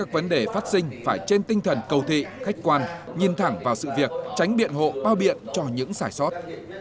các vấn đề phát sinh phải trên tinh thần cầu thị khách quan nhìn thẳng vào sự việc tránh biện hộ bao biện cho những giải sót